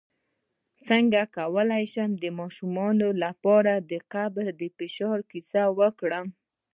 څنګه کولی شم د ماشومانو لپاره د قبر د فشار کیسه وکړم